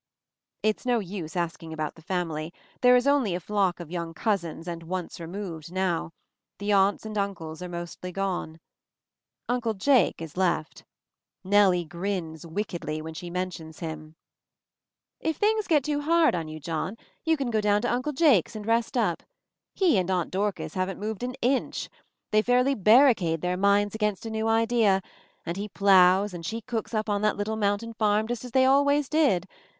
It's no use asking about the family; there is only a flock of young cousins and "once removed" now; the aunts and uncles are mostly gone. Uncle Jake is left. Nellie grins wickedly when she mentions him. 18 MOVING THE MOUNTAIN tc If things get too hard on you, John, you can go down to Uncle Jake's and rest up. He and Aunt Dorcas haven't moved an inch. They fairly barricade their minds against a new idea — and he ploughs and she cooks up on that little mountain farm just as they al ways did.